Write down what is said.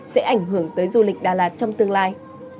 sẽ ảnh hưởng tới du lịch đà lạt trong tương lai